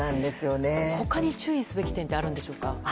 他に注意すべき点はあるんでしょうか。